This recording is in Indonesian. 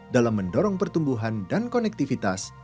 dalam mendorong pertumbuhan dan konektivitas